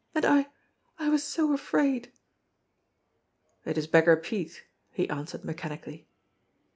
"And I I was so afraid !" "It is Beggar Pete," he answered mechanically.